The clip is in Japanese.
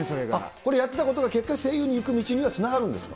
これ、やってたことが、結果、声優の道につながるんですか。